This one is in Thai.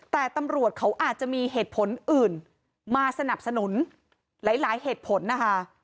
แต่ตำรวจเขาอาจจะมีเหตุผลอื่นมาสนับสนุนหลายเหตุผลนะคะ